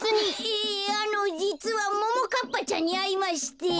ええあのじつはももかっぱちゃんにあいまして。